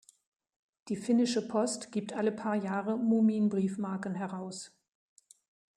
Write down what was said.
Die finnische Post gibt alle paar Jahre Mumin-Briefmarken heraus.